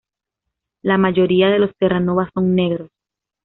La mayoría de los Terranova son negros.